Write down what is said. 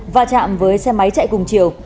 và chạm với xe máy chạy cùng chiều